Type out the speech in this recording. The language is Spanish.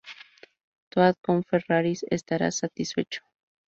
Toad con Ferraris, estarás satisfecho.